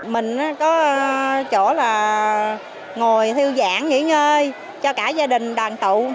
mình có chỗ là ngồi thiêu giãn nghỉ ngơi cho cả gia đình đoàn tụ